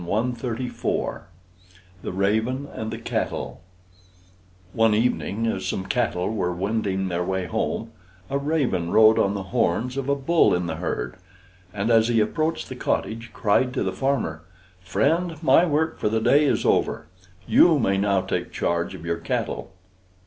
THE RAVEN AND THE CATTLE One evening, as some cattle were wending their way home, a raven rode on the horns of a bull in the herd; and as he approached the cottage, cried to the farmer, "Friend, my work for the day is over; you may now take charge of your cattle."